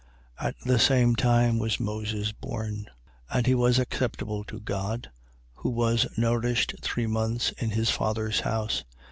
7:20. At the same time was Moses born: and he was acceptable to God. Who was nourished three months in his father's house.